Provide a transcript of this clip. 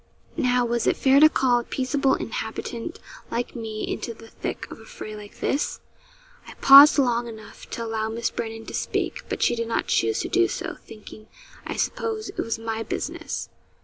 Now, was it fair to call a peaceable inhabitant like me into the thick of a fray like this? I paused long enough to allow Miss Brandon to speak, but she did not choose to do so, thinking, I suppose, it was my business.